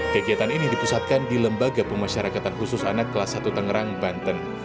kegiatan ini dipusatkan di lembaga pemasyarakatan khusus anak kelas satu tangerang banten